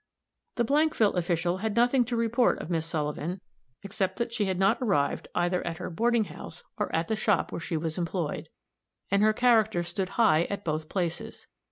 The Blankville official had nothing to report of Miss Sullivan, except that she had not arrived either at her boarding house or at the shop where she was employed, and her character stood high at both places.